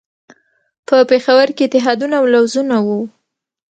په پېښور کې اتحادونه او لوزونه وو.